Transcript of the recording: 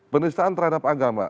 penistaan terhadap agama